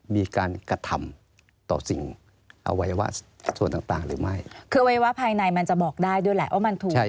มีการกระทำต่อสิ่งการอวัยวะส่วนต่างหรือไม่